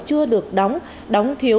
chưa được đóng đóng thiếu